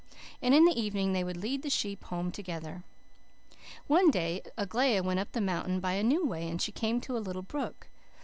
And in the evening they would lead the sheep home together. "One day Aglaia went up the mountain by a new way, and she came to a little brook.